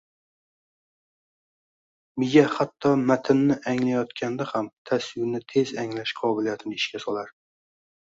Miya hatto matnni anglayotganda ham tasvirni tez anglash qobiliyatini ishga solar